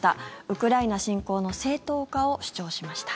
ウクライナ侵攻の正当化を主張しました。